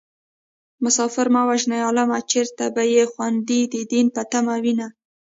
مسافر مه وژنئ عالمه چېرته به يې خويندې د دين په تمه وينه